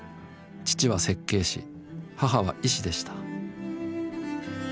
父は設計士母は医師でした。